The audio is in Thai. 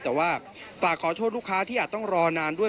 แต่ว่าฝากขอโทษลูกค้าที่อาจต้องรอนานด้วย